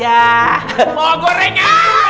mau goreng ya